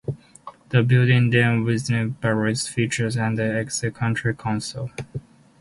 The buildings then witnessed various fates under Essex County Council.